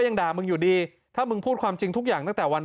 ยังด่ามึงอยู่ดีถ้ามึงพูดความจริงทุกอย่างตั้งแต่วัน